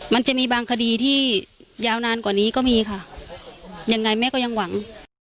มันจะมีบางคดีที่ยาวนานกว่านี้ก็มีค่ะยังไงแม่ก็ยังหวัง